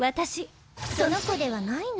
その子ではないの。